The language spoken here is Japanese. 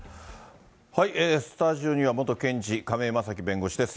スタジオには元検事、亀井正貴弁護士です。